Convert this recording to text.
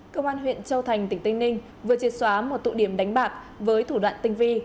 cơ quan huyện châu thành tỉnh tinh ninh vừa triệt xóa một tụ điểm đánh bạc với thủ đoạn tinh vi